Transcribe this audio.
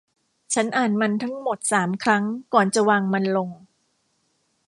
ฉันอ่านมันทั้งหมดสามครั้งก่อนจะวางมันลง